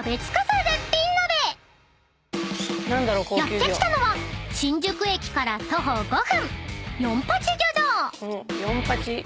［やって来たのは新宿駅から徒歩５分］